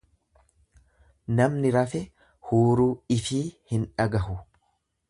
Namni rafe huuruu ifii hin dhagahu.